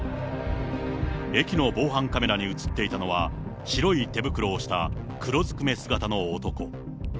駅の防犯カメラに写っていたのは、白い手袋をした黒ずくめ姿の男。